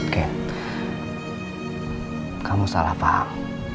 ken kamu salah paham